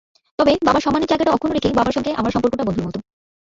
তবে বাবার সম্মানের জায়গাটা অক্ষুণ্ন রেখেই বাবার সঙ্গে আমার সম্পর্কটা বন্ধুর মতো।